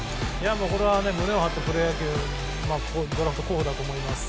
これは胸を張って、プロ野球ドラフト候補だと思います。